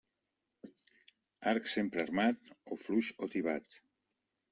Arc sempre armat, o fluix o tibat.